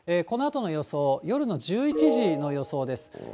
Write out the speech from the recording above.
このあとの予想、夜の１１時の予想です。